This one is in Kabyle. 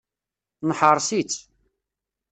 Neḥreṣ-itt.